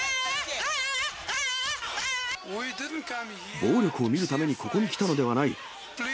暴力を見るためにここに来たのではない。